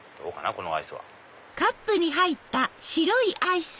このアイスは。